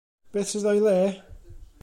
Be sydd o'i le?